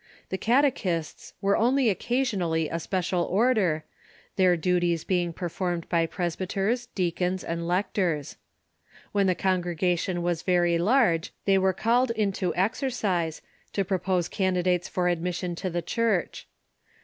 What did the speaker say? The catechists were only occasionally a special order, their duties being performed by presbyters, deacons, and lectors. When the congregation was very large they were called into exercise, to propose candidates for admission to the Church.